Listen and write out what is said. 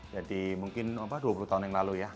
jadi mungkin dua puluh tahun yang lalu ya